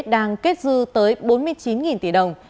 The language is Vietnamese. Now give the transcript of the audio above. đang kết dư tới bốn mươi chín tỷ đồng